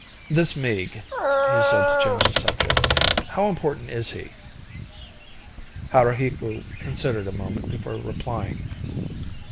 "This Meeg," he said to change the subject. "How important is he?" Haruhiku considered a moment before replying.